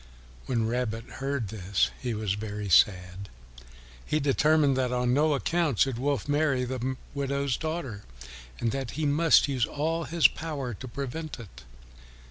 When Rabbit heard this he was very sad; he determined that on no account should Wolf marry the widow's daughter, and that he must use all his power to prevent it.